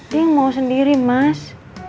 ini yang mau sendiri mas